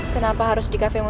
kenapa harus di cafe